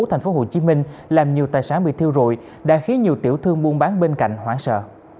thành phố hồ chí minh làm nhiều tài sản bị thiêu rụi đã khiến nhiều tiểu thương buôn bán bên cạnh hoảng sợ